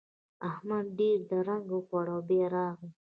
احمد ډېر درنګ وخوړ او بيا راغی.